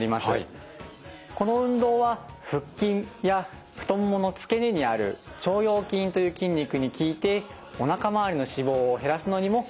この運動は腹筋や太もものつけ根にある腸腰筋という筋肉に効いておなか回りの脂肪を減らすのにも効果があります。